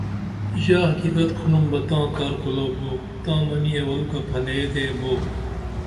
ژا حقیقت کُھنڈوم بہ تاں کار کولو بو، تاں منی اولُوکہ پھلییہ دے بو